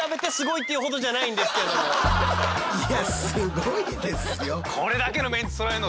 いやすごいですよ。